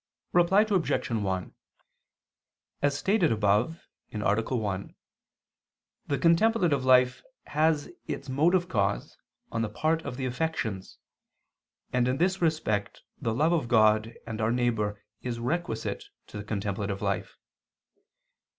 Reply Obj. 1: As stated above (A. 1), the contemplative life has its motive cause on the part of the affections, and in this respect the love of God and our neighbor is requisite to the contemplative life.